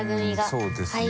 そうですね。